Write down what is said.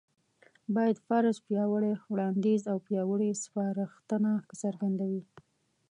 بايد: فرض، پياوړی وړانديځ او پياوړې سپارښتنه څرګندوي